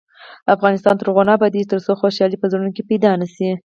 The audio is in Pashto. افغانستان تر هغو نه ابادیږي، ترڅو خوشحالي په زړونو کې پیدا نشي.